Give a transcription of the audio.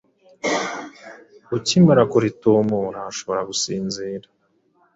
Ukimara kuritumura ushobora gusinzira